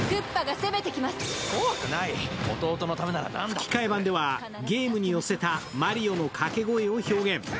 吹き替え版ではゲームに寄せたマリオの掛け声を表現。